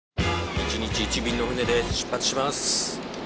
１日１便の船で出発します。